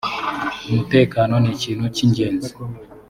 umutekano nikintu kingenzi.